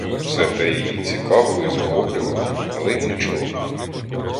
Все те її цікавило й захоплювало, але й мучило.